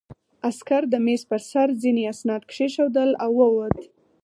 عسکر د مېز په سر ځینې اسناد کېښودل او ووت